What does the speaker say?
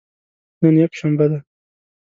نن یکشنبه ده